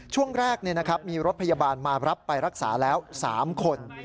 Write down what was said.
ช่วงแรกมีรถพยาบาลมารับไปรักษาแล้ว๓คน